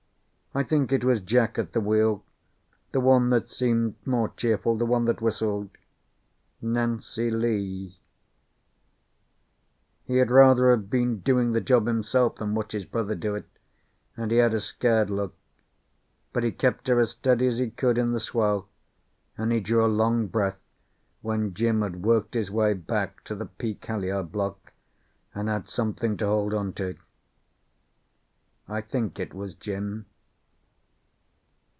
I think it was Jack at the wheel; the one that seemed more cheerful, the one that whistled "Nancy Lee." He had rather have been doing the job himself than watch his brother do it, and he had a scared look; but he kept her as steady as he could in the swell, and he drew a long breath when Jim had worked his way back to the peak halliard block, and had something to hold on to. I think it was Jim.